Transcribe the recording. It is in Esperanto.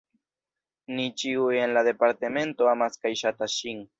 Ni ĉiuj en la Departemento amas kaj ŝatas ŝin.